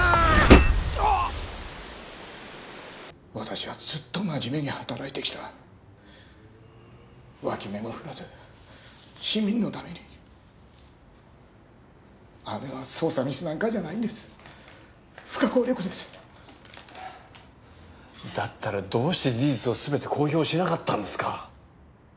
あぁ私はずっと真面目に働いてきた脇目も振らず市民のためにあれは捜査ミスなんかじゃないんです不可抗力ですだったらどうして事実をすべて公表しなかったんですか